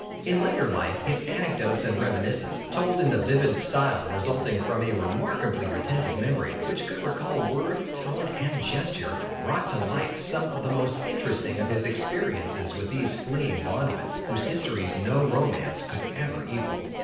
In later life, his anecdotes and reminiscences, told in the vivid style, resulting from a remarkably retentive memory, which could recall word, tone, and gesture, brought to life, some of the most interesting of his experiences with these fleeing bondmen, whose histories no romance could ever equal.